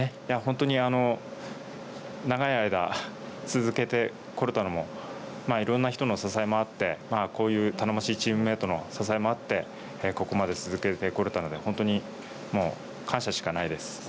いや、本当に長い間、続けてこれたのも、いろんな人の支えもあって、こういう頼もしいチームメートの支えもあって、ここまで続けてこれたので、本当にもう、感謝しかないです。